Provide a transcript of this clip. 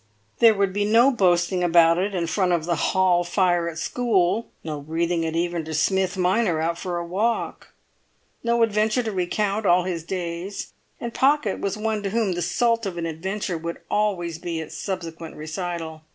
There would be no boasting about it in front of the hall fire at school, no breathing it even to Smith minor out for a walk; no adventure to recount all his days; and Pocket was one to whom the salt of an adventure would always be its subsequent recital.